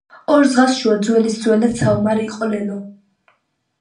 ორ ზღას შუა ძველისძველად საომარი იყო ლელო